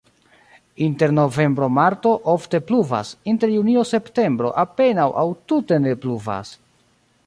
Inter novembro-marto ofte pluvas, inter junio-septembro apenaŭ aŭ tute ne pluvas.